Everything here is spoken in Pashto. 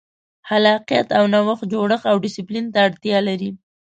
خلاقیت او نوښت جوړښت او ډیسپلین ته اړتیا لري.